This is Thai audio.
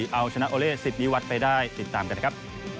เอาชนะโอเล่สิทธิวัตรไปได้ติดตามกันนะครับ